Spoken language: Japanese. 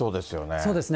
そうですね。